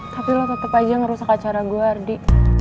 tapi lo tetap aja ngerusak acara gue ardi